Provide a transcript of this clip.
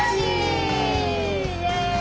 イエーイ！